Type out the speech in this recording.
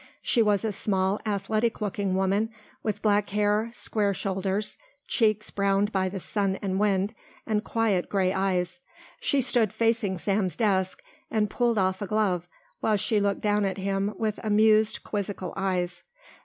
She was a small athletic looking woman with black hair, square shoulders, cheeks browned by the sun and wind, and quiet grey eyes. She stood facing Sam's desk and pulled off a glove while she looked down at him with amused, quizzical eyes.